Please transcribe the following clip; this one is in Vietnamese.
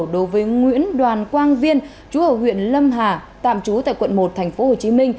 đối với nguyễn đoàn quang viên chú ở huyện lâm hà tạm trú tại quận một tp hcm